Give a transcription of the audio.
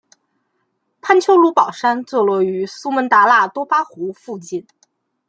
潘丘卢保山坐落于苏门答腊多巴湖附近。